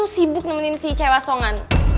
sibuk nemenin si cewek wasongan